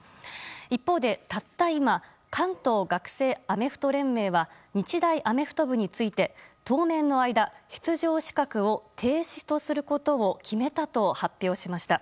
一方で、たった今関東学生アメフト連盟は日大アメフト部について当面の間出場資格を停止とすることを決めたと発表しました。